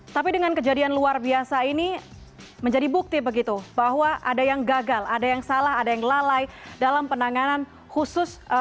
tapi dengan kejadian luar biasa ini menjadi bukti begitu bahwa ada yang gagal ada yang salah ada yang lalai dalam penanganan khusus